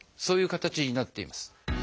そういう形になっています。